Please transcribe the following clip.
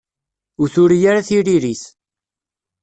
Ur turi ara tiririt.